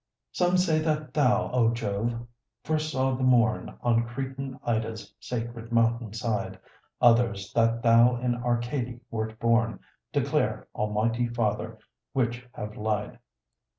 Some say that thou, O Jove, first saw the morn On Cretan Ida's sacred mountain side; Others that thou in Arcady wert born: Declare, Almighty Father which have lied?